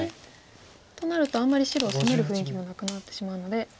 となるとあんまり白を攻める雰囲気もなくなってしまうので。